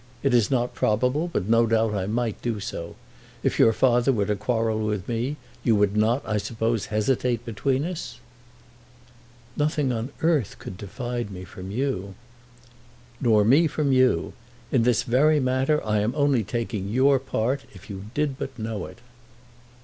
It is not probable, but no doubt I might do so. If your father were to quarrel with me, you would not, I suppose, hesitate between us?" "Nothing on earth could divide me from you." "Nor me from you. In this very matter I am only taking your part, if you did but know it."